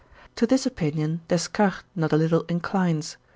To this opinion Descartes not a little inclines.